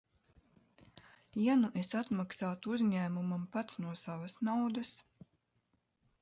Ja nu es atmaksātu uzņēmumam pats no savas naudas?